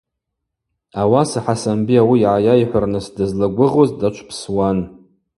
Ауаса Хӏасамби ауи йгӏайайхӏвырныс дызлагвыгъуз дачвпсуан.